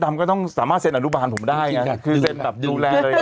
มึงเอามือไปตรวจว่า